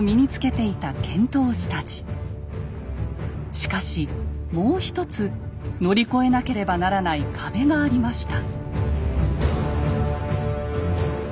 しかしもう一つ乗り越えなければならない壁がありました。